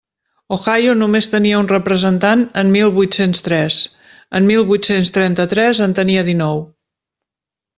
Ohio només tenia un representant en mil vuit-cents tres; en mil vuit-cents trenta-tres en tenia dinou.